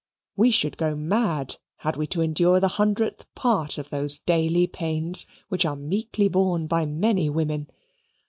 We should go mad had we to endure the hundredth part of those daily pains which are meekly borne by many women.